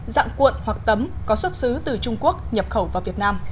dạng cuộn hoặc tấm có xuất xứ từ trung quốc nhập khẩu vào việt nam